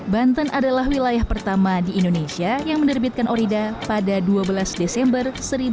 banten adalah wilayah pertama di indonesia yang menerbitkan orida pada dua belas desember seribu sembilan ratus empat puluh